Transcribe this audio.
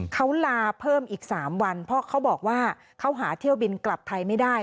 เขาลาเพิ่มอีก๓วันเพราะเขาบอกว่าเขาหาเที่ยวบินกลับไทยไม่ได้